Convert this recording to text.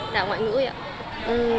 đại học ngoại ngữ